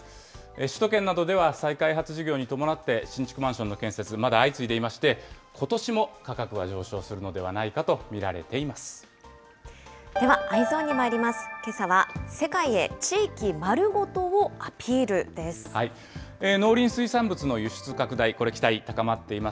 首都圏などでは再開発事業に伴って、新築マンションの建設、まだ相次いでいまして、ことしも価格は上昇するのではないかと見られています。